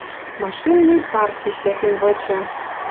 Машинный парк тиштӓкен выча...